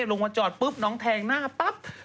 ลงมาจอดปุ๊บน้องแทงหน้าปั๊บ